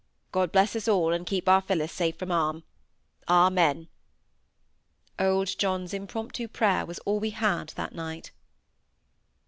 God bless us all, and keep our Phillis safe from harm! Amen." Old John's impromptu prayer was all we had that night.